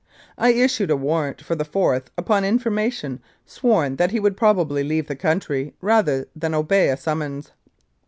I issued a warrant for the fourth upon information sworn that he would probably leave the country rather than obey a summons.